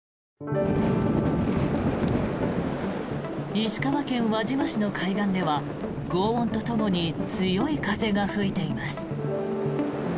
石川県輪島市の海岸ではごう音とともに強い風が吹いています。